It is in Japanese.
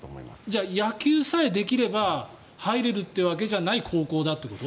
じゃあ野球さえできれば入れるというわけじゃない高校だということ？